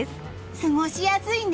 過ごしやすいね。